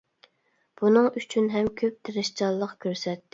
بۇنىڭ ئۈچۈن ھەم كۆپ تىرىشچانلىق كۆرسەتتى.